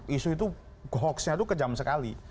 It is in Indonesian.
isu itu hoaxnya itu kejam sekali